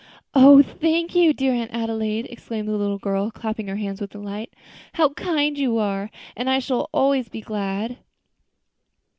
"Oh! thank you, dear Aunt Adelaide," exclaimed the little girl, clapping her hands with delight; "how kind you are! and I shall be so glad."